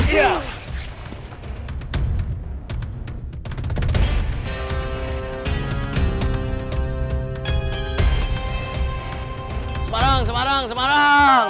semarang semarang semarang